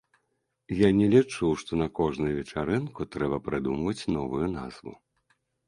Я не лічу, што на кожную вечарынку трэба прыдумваць новую назву.